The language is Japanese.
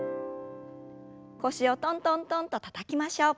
腰をトントントンとたたきましょう。